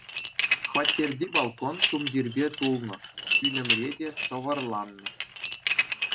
Хваттерти балкон тумтирпе тулнӑ, пӳлӗмре те тӑвӑрланнӑ.